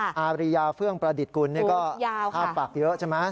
อาริยาเฟื่องประดิษฐ์กุลนี่ก็ภาพปากเยอะใช่ไหม